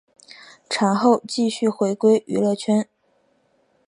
产后继续回归娱乐圈。